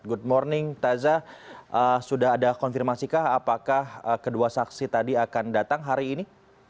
good morning taza sudah ada konfirmasikah apakah kedua saksi tadi akan datang hari ini